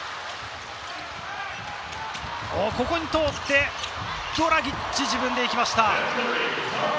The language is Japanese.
ここに通って、ドラギッチ自分で行きました。